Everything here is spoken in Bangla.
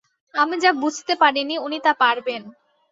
আমি যা বুঝতে পারিনি, উনি তা পারবেন।